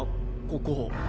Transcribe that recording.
ここ。